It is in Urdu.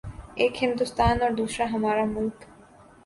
:ایک ہندوستان اوردوسرا ہمارا ملک۔